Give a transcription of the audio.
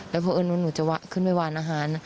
แล้วเผอิญญาณหนูหนูจะขึ้นไปหวานอาหาร